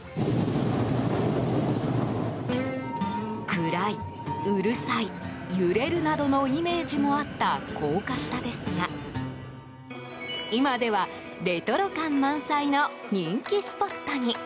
暗い、うるさい、揺れるなどのイメージもあった高架下ですが今ではレトロ感満載の人気スポットに。